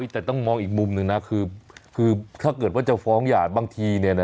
แต่ต้องมองอีกมุมหนึ่งนะคือถ้าเกิดว่าจะฟ้องหยาดบางที